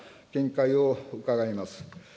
見解を伺います。